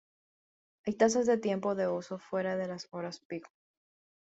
Hay tasas de tiempo de uso fuera de las horas pico.